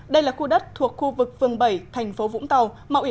đây là khu đất thuộc khu vực vương bảy tp vũng tàu